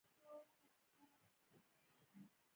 آیا مونټریال یو کلتوري او اقتصادي ښار نه دی؟